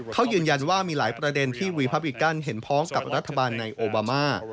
เขายืนยันว่ามีหลายประเด็นที่รีพับอีกกันเห็นพ้องกับรัฐบาลในโอบามา